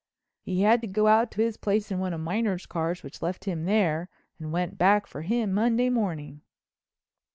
He had to go out to his place in one of Miner's cars which left him there and went back for him Monday morning."